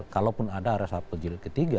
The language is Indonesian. kalaupun ada risa fowl jilid ketiga